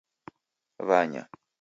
Wanya